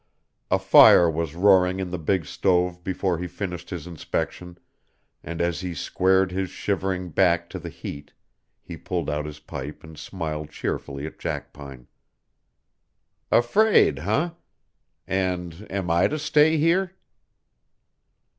A fire was roaring in the big stove before he finished his inspection and as he squared his shivering back to the heat he pulled out his pipe and smiled cheerfully at Jackpine. "Afraid, eh? And am I to stay here?"